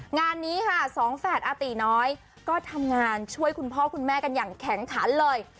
งานนี้ค่ะสองแฝดอาติน้อยก็ทำงานช่วยคุณพ่อคุณแม่กันอย่างแข็งขันเลย